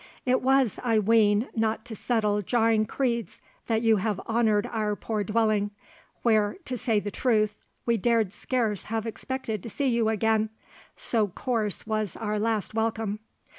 It was, I ween, not to settle jarring creeds, that you have honoured our poor dwelling, where, to say the truth, we dared scarce have expected to see you again, so coarse was our last welcome."